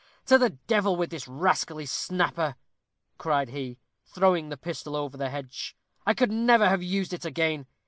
To the devil with this rascally snapper," cried he, throwing the pistol over the hedge. "I could never have used it again.